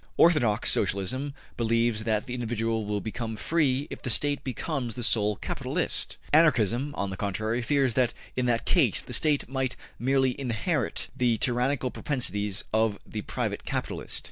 Orthodox Socialism believes that the individual will become free if the State becomes the sole capitalist. Anarchism, on the contrary, fears that in that case the State might merely inherit the tyrannical propensities of the private capitalist.